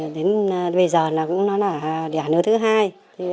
đến bây giờ là cũng nó đã đẻ nứa thứ hai